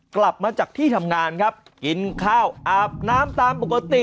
กลับมาจากที่ทำงานครับกินข้าวอาบน้ำตามปกติ